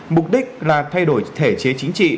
mục đích là thay đổi thể chế chính trị